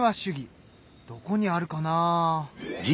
どこにあるかなあ？